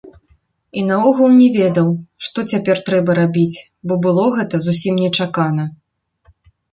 І наогул не ведаў, што цяпер трэба рабіць, бо было гэта зусім нечакана.